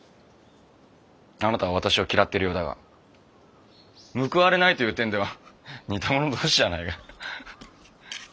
あなたは私を嫌ってるようだが報われないという点では似た者同士じゃないか。